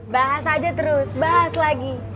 bahas aja terus bahas lagi